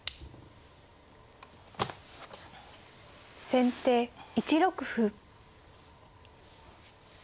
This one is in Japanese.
先手１六歩。